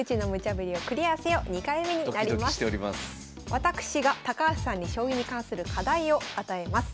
私が高橋さんに将棋に関する課題を与えます。